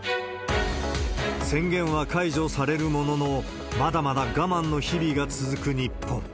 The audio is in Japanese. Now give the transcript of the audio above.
宣言は解除されるものの、まだまだ我慢の日々が続く日本。